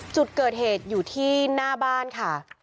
จุดเกิดเหตุอยู่ที่หน้าบ้านค่ะ